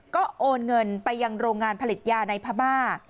ก็โอนเงินไปยังโรงงานผลิตยาในพม่า